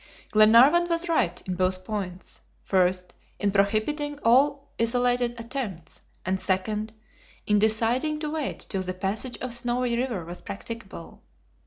Glenarvan was right in both points; first in prohibiting all isolated attempts, and second, in deciding to wait till the passage of the Snowy River was practicable.